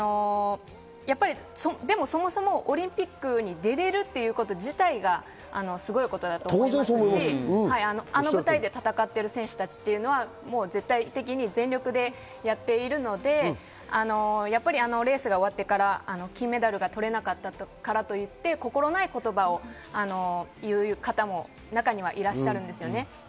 でも、そもそもオリンピックに出れるということ自体がすごいことだと思いますし、あの舞台で戦ってる選手たちというのは全力でやっているので、あのレースが終わってから、金メダルが取れなかったからといって心ない言葉を言う方も中にはいらっしゃるんですよね。